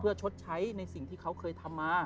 เพื่อชดใช้ในสิ่งที่เขาเคยทำมา